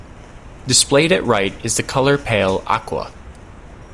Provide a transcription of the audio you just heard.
Displayed at right is the color pale aqua.